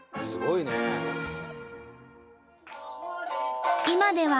すごいね！